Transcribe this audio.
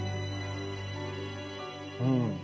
うん。